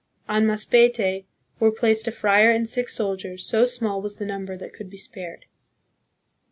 On Masbate were placed a friar and six soldiers, so small was the number that could be spared.